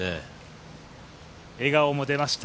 笑顔も出ました